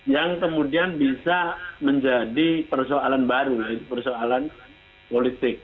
yang kemudian bisa menjadi persoalan baru persoalan politik